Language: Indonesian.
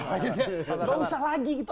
gak usah lagi gitu